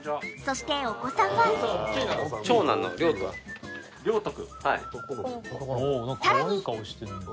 はい。